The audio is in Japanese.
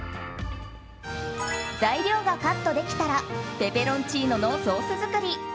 材料がカットできたらペペロンチーノのソース作り。